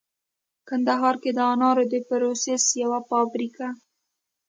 کندهار کې د انارو د پروسس یوه فابریکه